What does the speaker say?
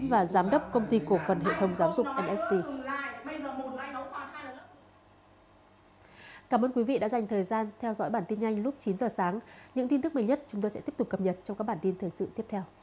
và giám đốc công ty cổ phần hệ thống giáo dục mst